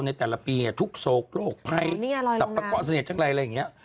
ในแต่ละปีเนี่ยทุกศูกร์โรคไพทรัพย์มีคอเสด็จจังไรอะไรอย่างเงี้ย